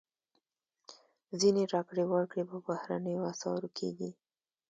ځینې راکړې ورکړې په بهرنیو اسعارو کېږي.